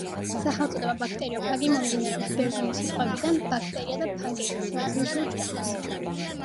სახელწოდება "ბაქტერიოფაგი" მომდინარეობს ბერძნული სიტყვებიდან "ბაქტერია" და "ფაგეინ", რაც ნიშნავს ჭამას.